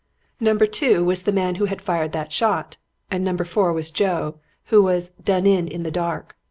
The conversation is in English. Number Two was the man who had fired that shot, and Number Four was Joe, who was "done in in the dark."